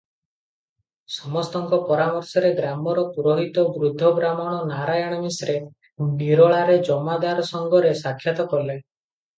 ସମସ୍ତଙ୍କ ପରାମର୍ଶରେ ଗ୍ରାମର ପୁରୋହିତ ବୃଦ୍ଧ ବ୍ରାହ୍ମଣ ନାରାୟଣ ମିଶ୍ରେ ନିରୋଳାରେ ଜମାଦାର ସଙ୍ଗରେ ସାକ୍ଷାତ କଲେ ।